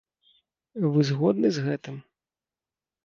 Вы згодны з гэтым?